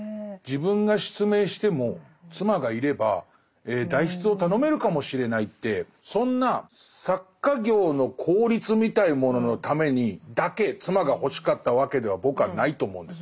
自分が失明しても妻がいれば代筆を頼めるかもしれないってそんな作家業の効率みたいなもののためにだけ妻が欲しかったわけでは僕はないと思うんです。